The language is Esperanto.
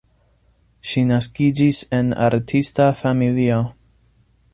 Ŝi naskiĝis en artista familio.